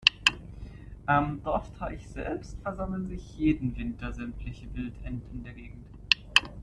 Am Dorfteich selbst, versammeln sich jeden Winter sämtliche Wildenten der Gegend.